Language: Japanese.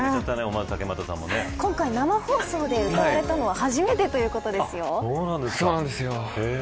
今回生放送で歌われたのは初めてということですよ。